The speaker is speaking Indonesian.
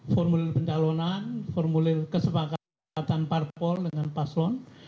formulir pencalonan formulir kesepakatan parpol dengan paslon